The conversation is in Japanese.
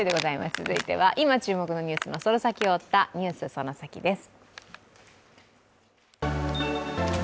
続いては今注目のニュースのその先を追った「ＮＥＷＳそのサキ！」です。